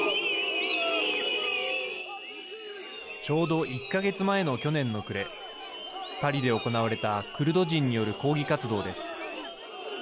ちょうど１か月前の去年の暮れパリで行われたクルド人による抗議活動です。